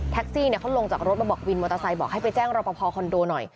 เขาลงจากรถมาบอกวินมอเตอร์ไซค์บอกให้ไปแจ้งรอปภคอนโดหน่อย